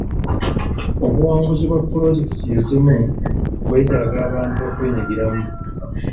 Obuwanguzi bwa pulojekiti ezimu bwetaaga abantu okwenyigiramu.